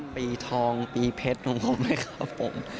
ปีทองปีเพชรของผมนะครับผม